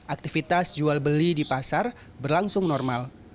aktivitas jual beli di pasar berlangsung normal